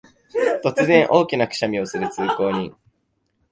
突然、大きなくしゃみをする通行人